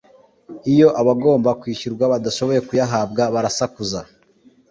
iyo abagomba kwishyurwa badashoboye kuyahabwa barasakuza